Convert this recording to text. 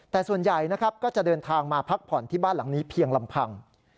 แต่ส่วนใหญ่นะครับก็จะเดินทางมาพักผ่อนที่บ้านหลังนี้เพียงลำพัง